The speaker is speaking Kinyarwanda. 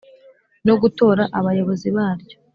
no gutora abayobozi baryo